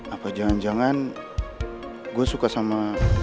apa jangan jangan gue suka sama